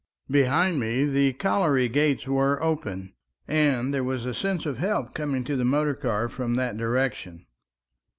Behind me the colliery gates were open, and there was a sense of help coming to the motor car from that direction.